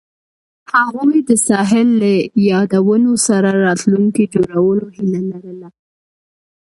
هغوی د ساحل له یادونو سره راتلونکی جوړولو هیله لرله.